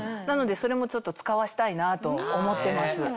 なのでそれもちょっと使わせたいなと思ってます。